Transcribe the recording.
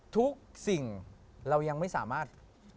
ทุกสิ่งเรายังไม่สามารถ